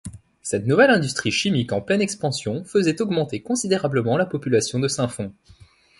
Cette nouvelle industrie chimique en pleine expansion faisait augmenter considérablement la population de Saint-Fons.